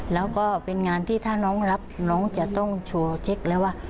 แล้วก็เป็นงานที่ถ้าน้องรับน้องจะต้องโชว์เช็คแล้วว่า